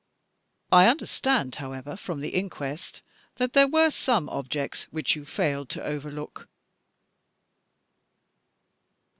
I understand, however, from the inquest that there were some objects which you failed to overlook?"